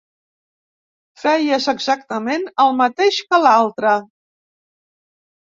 Feies exactament el mateix que l'altre.